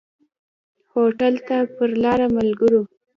هوټل ته پر لاره ملګرو.